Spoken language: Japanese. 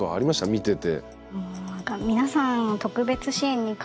見てて。